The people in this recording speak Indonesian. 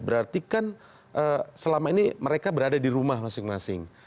berarti kan selama ini mereka berada di rumah masing masing